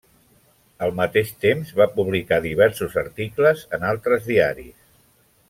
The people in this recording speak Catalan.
Al mateix temps, va publicar diversos articles en altres diaris.